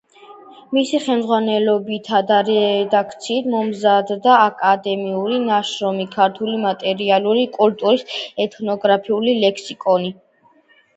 მისი ხელმძღვანელობითა და რედაქციით მომზადდა აკადემიური ნაშრომი „ქართული მატერიალური კულტურის ეთნოგრაფიული ლექსიკონი“.